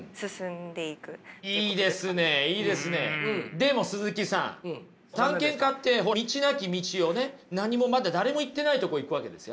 でも鈴木さん探検家って道なき道をね何もまだ誰も行ってないとこ行くわけですよ。